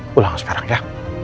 pulang sekarang ya